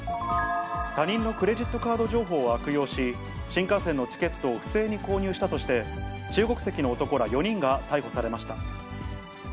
他人のクレジットカード情報を悪用し、新幹線のチケットを不正に購入したとして、中国籍の男ら４人が逮捕されました。